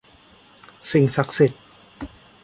สิ่งศักดิ์สิทธิ์